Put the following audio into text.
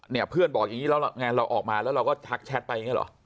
เนี่ยเพื่อนบอกอย่างนี้แล้วงานเราออกมาเราก็ทักแชตก็ออกไปหรือ